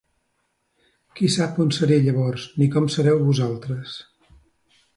Qui sap on seré, llavors, ni com sereu vosaltres.